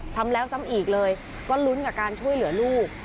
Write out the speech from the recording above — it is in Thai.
ซ้ำแล้วซ้ำอีกเลยก็ลุ้นกับการช่วยเหลือลูก